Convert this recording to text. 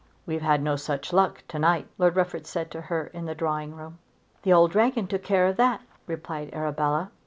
"We've had no such luck to night," Lord Rufford said to her in the drawing room. "The old dragon took care of that," replied Arabella.